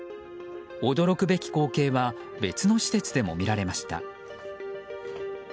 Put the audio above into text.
驚くべき光景は別の施設でも見られました。